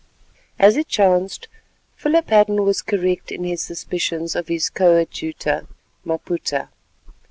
As it chanced, Philip Hadden was correct in his suspicions of his coadjutor, Maputa.